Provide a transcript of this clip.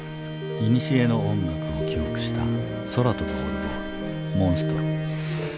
いにしえの音楽を記憶した空飛ぶオルゴール「モンストロ」。